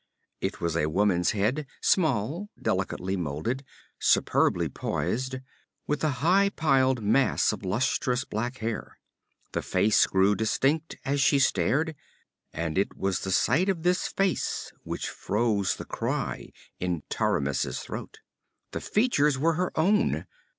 It was a woman's head, small, delicately molded, superbly poised, with a high piled mass of lustrous black hair. The face grew distinct as she stared and it was the sight of this face which froze the cry in Taramis's throat. The features were her own!